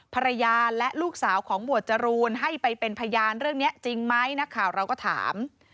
ภรรยาและลูกสาวของหมวดจรูนให้ไปเป็นพยานเรื่องนี้จริงไหมนักข่าวเราก็ถาม